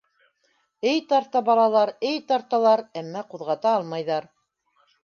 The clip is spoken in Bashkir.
Эй тарта балалар, эй тарталар, әммә ҡуҙғата алмайҙар.